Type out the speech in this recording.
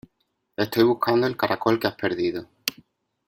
Estoy buscando el caracol que has perdido.